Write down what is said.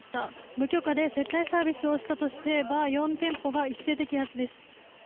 無許可で接待サービスをしたとして、バー４店舗が一斉摘発です。